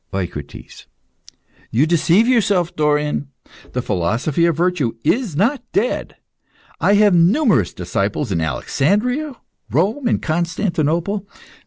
EUCRITES. You deceive yourself, Dorion. The philosophy of virtue is not dead. I have numerous disciples in Alexandria, Rome, and Constantinople.